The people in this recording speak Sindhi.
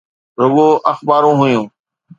رڳو اخبارون هيون.